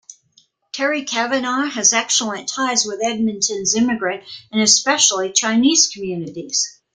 Terry Cavanagh has excellent ties with Edmonton's immigrant and especially Chinese communities.